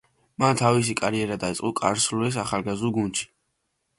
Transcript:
მან თავისი კარიერა დაიწყო კარლსრუეს ახალგაზრდულ გუნდში.